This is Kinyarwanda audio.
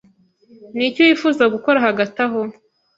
Niki wifuza gukora hagati aho?